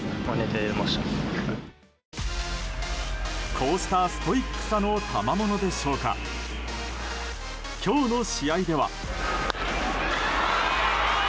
こうしたストイックさのたまものでしょうか今日の試合では。